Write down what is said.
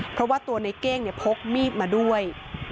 เพราะว่าตัวในเกรงเนี่ยพกมีบมาด้วย